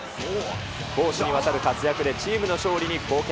攻守にわたる活躍でチームの勝利に貢献。